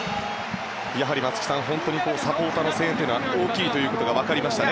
やはり松木さんサポーターの声援は大きいということが分かりましたね。